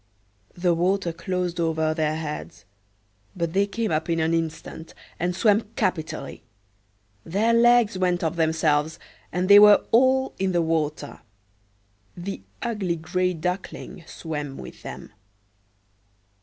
The water closed over their heads, but they came up in an instant, and swam capitally; their legs went of themselves, and they were all in the water. The ugly gray Duckling swam with them.